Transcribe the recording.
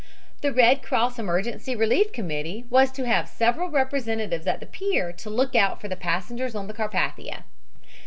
The Red Cross Emergency Relief Committee was to have several representatives at the pier to look out for the passengers on the Carpathia.